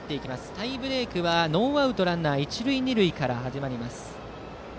タイブレークはノーアウトランナー、一塁二塁から。